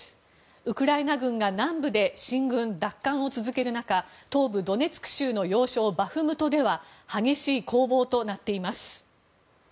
ウクライナ軍が南部で進軍・奪還を続ける中東部ドネツク州の要衝バフムトでは激しい攻防となっています。